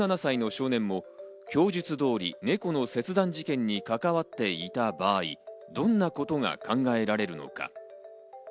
今回逮捕された１７歳の少年も供述通り、猫の切断事件に関わっていた場合、どんなことが考えられるのか？